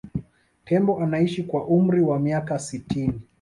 tembo anaishi kwa umri wa miaka sitini